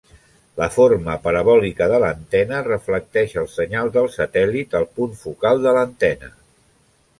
La forma parabòlica de l'antena reflecteix el senyal del satèl·lit al punt focal de l'antena.